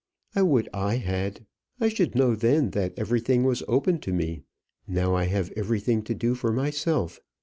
"I would I had; I should know then that everything was open to me. Now I have everything to do for myself.